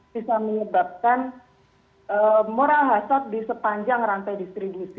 bisa menyebabkan moral hassot di sepanjang rantai distribusi